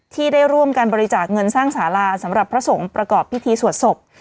ที่ได้ร่วมการบริจาคเงินสร้างสาราสำหรับพระสงฆ์ประกอบพิธีสวดศพ